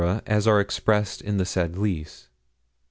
as are expressed in the said lease.